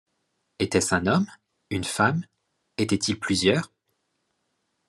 Était-ce un homme? une femme ? étaient-ils plusieurs ?